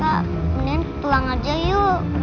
kak kemudian pulang aja yuk